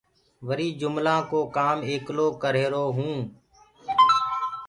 رويٚ جُملآنٚ ڪو ڪآم ايڪلو ڪرريهرو هي